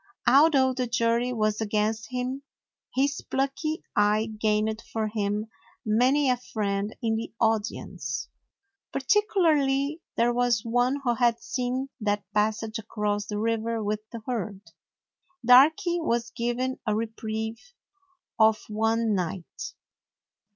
Although the jury was against him, his plucky eye gained for him many a friend in the audience. Particularly there was one who had seen that passage across the river with the herd. Darky was given a re prieve of one night.